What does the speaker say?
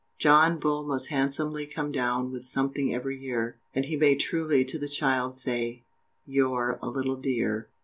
John Bull must handsomely come down With something every year, And he may truly to the child, Say, "You're a little dear!"